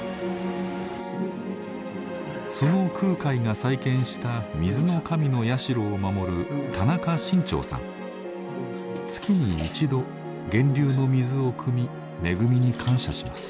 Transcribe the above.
その空海が再建した水の神の社を守る月に一度源流の水をくみ恵みに感謝します。